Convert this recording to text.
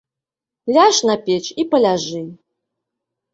Ляж на печ і паляжы.